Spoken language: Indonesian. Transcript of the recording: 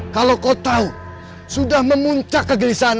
kalau kau tahu sudah memuncak kegelisahan aku ini